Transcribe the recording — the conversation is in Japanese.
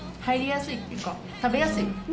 入りやすいっていうか食べやすい。